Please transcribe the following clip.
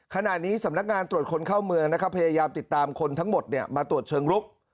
ขณะนี้สำนักงานตรวจคนเข้าเมืองนะครับพยายามติดตามคนทั้งหมดมาตรวจเชิงลุก